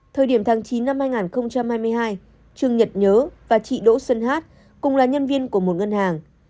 thời điểm tháng chín năm hai nghìn hai mươi hai trương nhật nhớ và chị đỗ xuân hát cùng là nhân viên của một ngân hàng